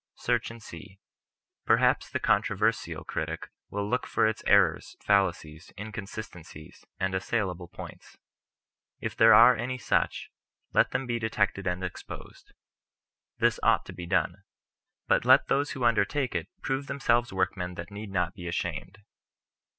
Search and see. Perhaps the controversial critic will look for its errors, fallacies, inconsistencies, and assailable points. If there are any such, let them be detected and exposed. This ought to be done ; but let those who undertake it prove themselves workmen that need not be ashamed.